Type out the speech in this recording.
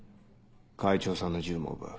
会長さんの銃も奪う。